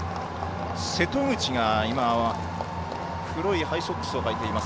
瀬戸口が今黒いハイソックスを履いています。